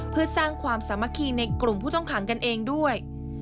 เพื่อสร้างความสามัคคีในกลุ่มผู้ต้องขังกันเองด้วย